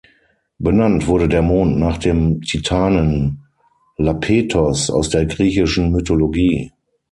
Benannt wurde der Mond nach dem Titanen Iapetos aus der griechischen Mythologie.